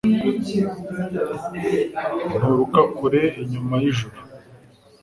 Nturuka kure inyuma y'ijuru,